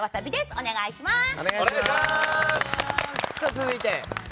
続いて。